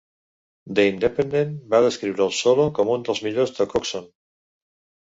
"The Independent" va descriure el solo com "un dels millors de Coxon".